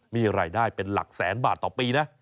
มีรายได้เป็นหลักแสนบาทต่อปีนะ